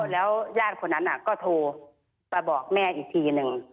แล้วญาติคนนั้นก็โทรมาบอกแม่อีกทีหนึ่ง